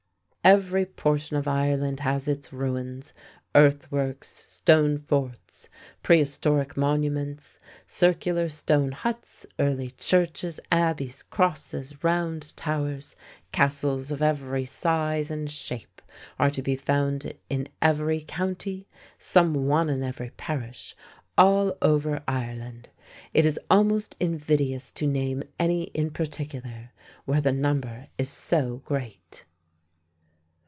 Every portion of Ireland has its ruins. Earthworks, stone forts, prehistoric monuments, circular stone huts, early churches, abbeys, crosses, round towers, castles of every size and shape are to be found in every county, some one in every parish, all over Ireland. It is almost invidious to name any in particular where the number is so great.